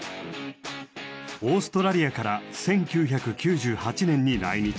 オーストラリアから１９９８年に来日。